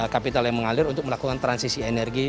kapital yang mengalir untuk melakukan transisi energi